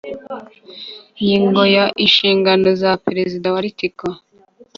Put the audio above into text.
Ingingo ya inshingano za perezida wa article